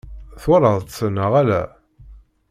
Twalaḍ-tt neɣ ala?